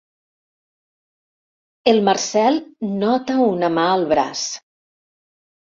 El Marcel nota una mà al braç.